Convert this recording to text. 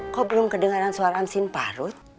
kok belum kedengaran suara asin parut